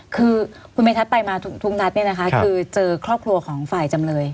คือคุณเมย์ทัศน์ไปมาทุกนัดคือเจอครอบครัวของฝ่ายจำเลย